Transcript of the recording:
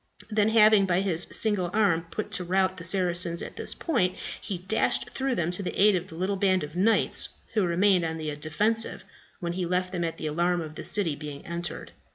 Then having, by his single arm, put to rout the Saracens at this point, he dashed through them to the aid of the little band of knights who had remained on the defensive when he left them at the alarm of the city being entered.